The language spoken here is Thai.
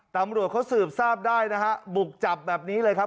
ตำรวจเขาสืบทราบได้นะฮะบุกจับแบบนี้เลยครับ